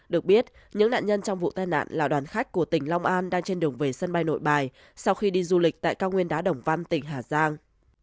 được biết những nạn nhân trong vụ tai nạn là đoàn khách của tỉnh long an đang trên đường về sân bay nội bài sau khi đi du lịch tại cao nguyên đá đồng văn tỉnh hà giang